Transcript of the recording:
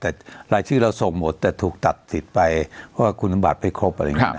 แต่รายชื่อเราส่งหมดแต่ถูกตัดสิทธิ์ไปว่าคุณบัตรไม่ครบอะไรอย่างนี้